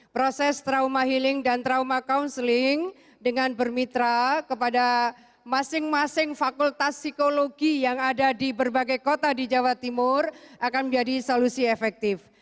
proses trauma healing dan trauma counseling dengan bermitra kepada masing masing fakultas psikologi yang ada di berbagai kota di jawa timur akan menjadi solusi efektif